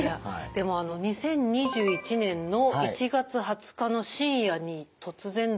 でも２０２１年の１月２０日の深夜に突然頭痛が始まったと。